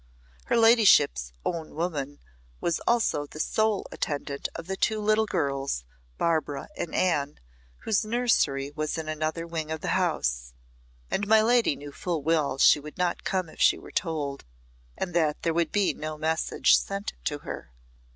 Her ladyship's "own woman" was also the sole attendant of the two little girls, Barbara and Anne, whose nursery was in another wing of the house, and my lady knew full well she would not come if she were told, and that there would be no message sent to her.